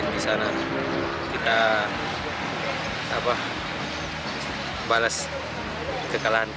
di sana kita balas kekalahan